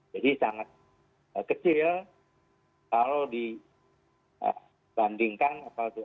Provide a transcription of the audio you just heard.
jadi sangat kecil kalau dibandingkan